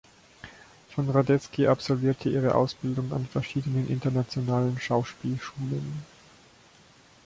Von Radetzky absolvierte ihre Ausbildung an verschiedenen internationalen Schauspielschulen.